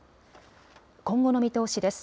今後の見通しです。